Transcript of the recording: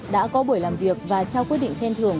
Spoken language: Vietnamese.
đã có buổi làm việc và trao quyết định khen thưởng